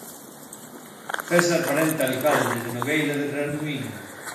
César Parente Alcalde de Nogueira de Ramuín.